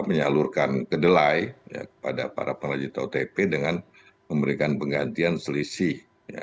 menyalurkan kedelai kepada para pengrajin tahu dan tempe dengan memberikan penggantian selisih